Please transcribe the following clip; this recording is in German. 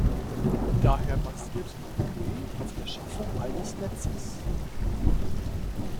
Daher basiert die Idee auf der Schaffung eines Netzes.